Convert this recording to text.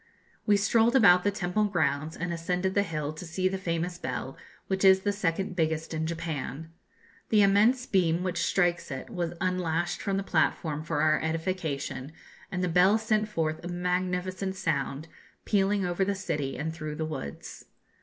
We strolled about the temple grounds, and ascended the hill to see the famous bell, which is the second biggest in Japan. The immense beam which strikes it was unlashed from the platform for our edification, and the bell sent forth a magnificent sound, pealing over the city and through the woods.